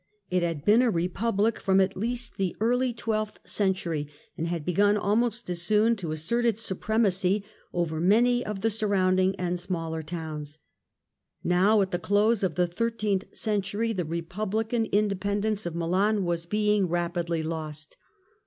It had been a republic ft V *taLp*Ai"<lMrf'«^ *+, 'l*^. 30 THE END OF THE MIDDLE AGE from at least the early twelfth century, and had begun almost as soon to assert its supremacy over many of the surrounding and smaller towns. Now, at the close of the thirteenth century, the republican independence of Milan was being rapidly lost.